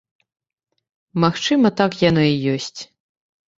Магчыма, так яно і ёсць.